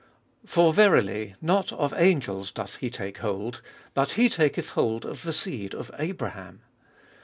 II.— 16. For verily not of angels doth he take hold, but he taketh hold of the seed of Abraham.